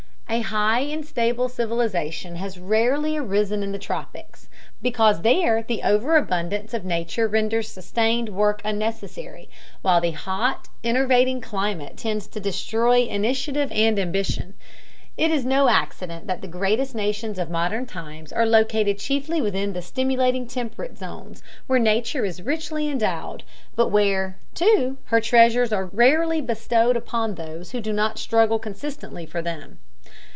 A high and stable civilization has rarely arisen in the tropics, because there the overabundance of Nature renders sustained work unnecessary, while the hot, enervating climate tends to destroy initiative and ambition. It is no accident that the greatest nations of modern times are located chiefly within the stimulating temperate zones, where Nature is richly endowed, but where, too, her treasures are rarely bestowed upon those who do not struggle consistently for them.